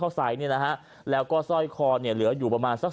ใส่เนี่ยนะฮะแล้วก็สร้อยคอเนี่ยเหลืออยู่ประมาณสัก